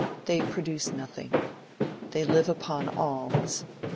They produce nothing. They live upon alms.